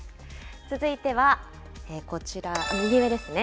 続いてはこちら、右上ですね。